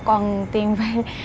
còn tiền vay